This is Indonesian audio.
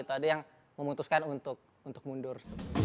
atau ada yang memutuskan untuk mundur